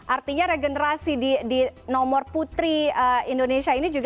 artinya regenerasi di nomor putri indonesia ini juga